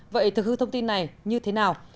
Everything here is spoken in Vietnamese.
vậy thực hư thông tin này như thế nào